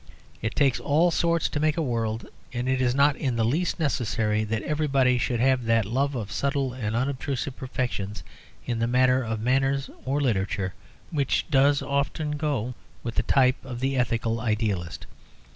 It takes all sorts to make a world; and it is not in the least necessary that everybody should have that love of subtle and unobtrusive perfections in the matter of manners or literature which does often go with the type of the ethical idealist.